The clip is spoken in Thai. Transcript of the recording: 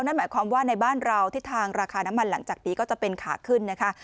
นั่นหมายความว่าในบ้านเราทิศทางราคาน้ำมันหลังจากนี้ก็จะเป็นขาขึ้นนะคะ